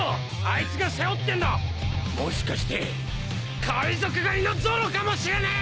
あいつが背負ってんのもしかして海賊狩りのゾロかもしれねえ！